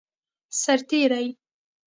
سرتیری